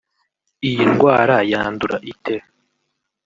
Iyi ndwara yandura ite